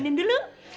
sabar ya darling babes